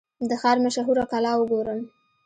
د ښار مشهوره کلا وګورم.